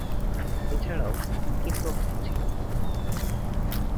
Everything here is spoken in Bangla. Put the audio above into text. এছাড়াও উইকেট-রক্ষক ছিলেন তিনি।